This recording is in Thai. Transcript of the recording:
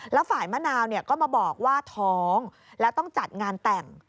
แล้วฝ่ายมะนาวก็มาบอกว่าท้องแล้วต้องจัดงานแต่ง